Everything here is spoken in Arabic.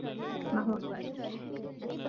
ما هو قياسك ؟